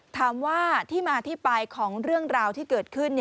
ถามว่าที่มาที่ไปของเรื่องราวที่เกิดขึ้น